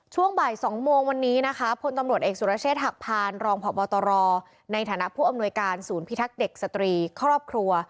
ช่วงบ่าย๒โมงวันนี้นะคะพลตำรวจเอกสุรเชษฐหักพานรองพบตรในฐานะผู้อำนวยการศูนย์พิทักษ์เด็กสตรีครอบครัว